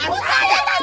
eh usah aja tangan